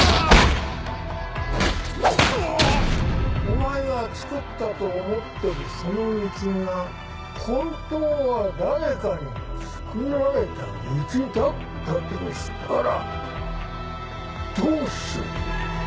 お前がつくったと思ってるその道が本当は誰かにつくられた道だったとしたらどうする？